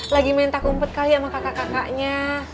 lagi mentak ngumpet kali sama kakak kakaknya